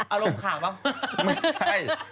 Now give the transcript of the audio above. อารมณ์ขาวหรือเปล่าไม่ใช่